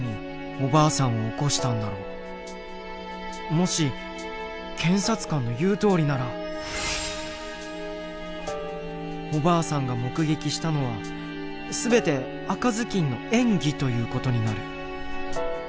もし検察官の言うとおりならおばあさんが目撃したのは全て赤ずきんの演技という事になる。